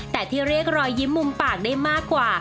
แต่ที่เรียกรอยยิ้มมุมปากได้มากกว่า